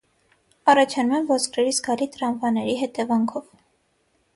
Առաջանում են ոսկրերի զգալի տրավմաների հետևանքով։